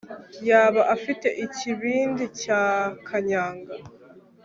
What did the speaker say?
Yaba afite ikibindi cya kanyanga